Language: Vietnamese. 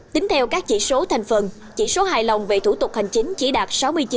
tính theo các chỉ số thành phần chỉ số hài lòng về thủ tục hành chính chỉ đạt sáu mươi chín bảy mươi hai